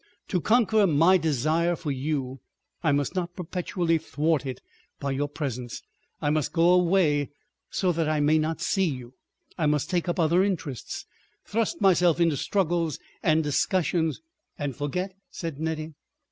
... To conquer my desire for you, I must not perpetually thwart it by your presence; I must go away so that I may not see you, I must take up other interests, thrust myself into struggles and discussions———" "And forget?" said Nettie.